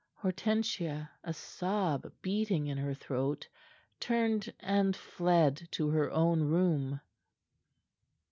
Hortensia, a sob beating in her throat, turned and fled to her own room.